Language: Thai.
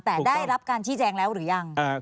แต่ได้รับการชี้แจงแล้วหรือยัง